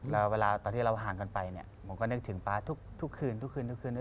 แล้วเวลาตอนที่เราห่างกันไปเนี่ยผมก็นึกถึงป๊าทุกคืนทุกคืนทุกคืน